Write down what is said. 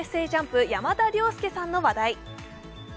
ＪＵＭＰ、山田涼介さんの話題。